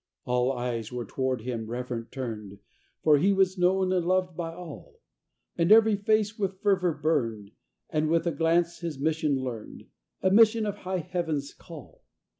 All eyes were toward him reverent turned, For he was known and loved by all, And every face with fervor burned, And with a glance his mission learned A mission of high Heaven's call.